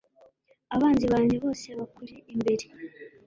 abanzi banjye bose bakuri imbere